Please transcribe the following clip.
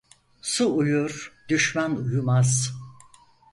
Su uyur, düşman uyumaz.